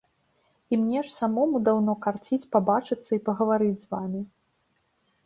І мне ж самому даўно карціць пабачыцца і пагаварыць з вамі.